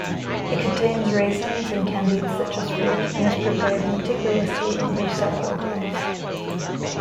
It contains raisins and candied citrus fruit and is prepared meticulously over several days.